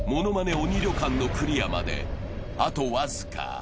鬼旅館のクリアまで、あと僅か。